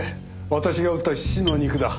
私が撃った猪の肉だ。